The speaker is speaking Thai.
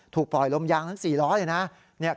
ถูกปล่อยลมยางทั้ง๔ล้อเลยนะ